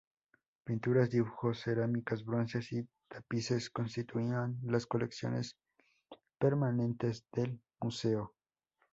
Pinturas, dibujos, cerámicas, bronces y tapices constituían las colecciones permanentes del museo.